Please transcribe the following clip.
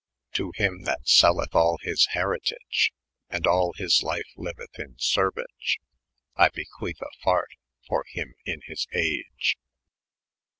To hym that selleth al his herytage. And all his lyfe lyuetli in Bem^e, I boquetb a farte, for hym in his aege.